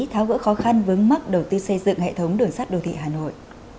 tháo gỡ khó khăn vớng mắc đầu tư xây dựng hệ thống đường sát đô thị hà nội